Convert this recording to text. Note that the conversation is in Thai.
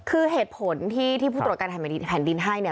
คือเหตุผลที่ผู้ตรวจการแผ่นดินแผ่นดินให้เนี่ย